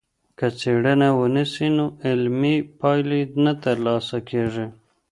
که څېړنه ونسي، نو علمي پايلې نه ترلاسه کيږي.